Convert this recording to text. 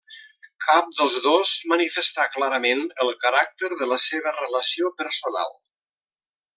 Cap dels dos manifestà clarament el caràcter de la seva relació personal.